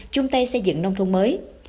chung tay xây dựng nông thôn mới